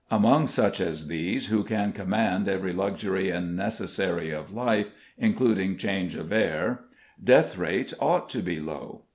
Among such as these, who can command every luxury and necessary of life, including change of air, death rates ought to be low.